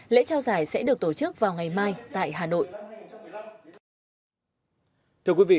lễ trao giải sẽ được tổ chức vào ngày mai tại hà nội